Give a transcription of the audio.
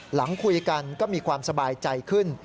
หลังคุยกันก็มีความสบายใจขึ้น